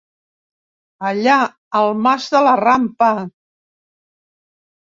Allà al mas de la rampa!